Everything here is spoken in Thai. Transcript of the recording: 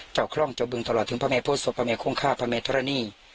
เจ้าคล่องเจ้าบึงตลอดถึงพระแม่โภษศพพระแม่โค้งค่าพระแม่ธรณีย์